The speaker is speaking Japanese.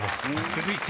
［続いて］